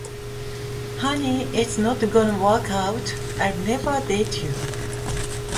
Honey, it's not gonna work out, I will never date you!